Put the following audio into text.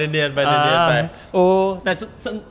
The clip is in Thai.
เนียนก็ไป